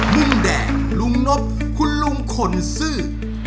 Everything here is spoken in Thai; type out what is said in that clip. มุมแดงลุงนบคุณลุงขนซื่อ